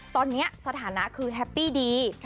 ตอนนี้สถานะคือแฮปปี้ดี